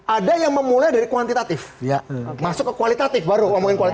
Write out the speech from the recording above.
ada yang memulai dari kuantitatif masuk ke kualitatif baru